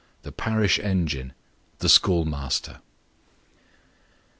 THE PARISH ENGINE. THE SCHOOLMASTER.